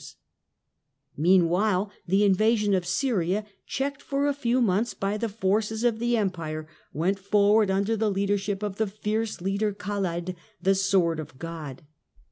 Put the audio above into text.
Syria, 634 Meanwhile the invasion of Syria, checked for a few months by the forces of the Empire, went forward under the leadership of the fierce leader Khaled, the " Sword of God".